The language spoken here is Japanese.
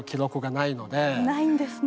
ないんですね。